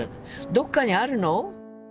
どっかにあるの？